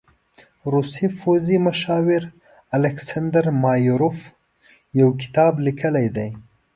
روسي پوځي مشاور الکساندر مایاروف يو کتاب لیکلی دی.